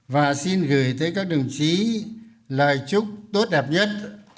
và xin gửi tới các đồng chí lời chúc tốt đẹp nhất